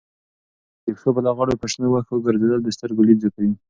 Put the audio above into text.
د پښو په لغړو په شنو وښو ګرځېدل د سترګو لید زیاتوي.